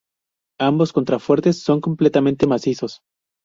Ambos contrafuertes son completamente macizos.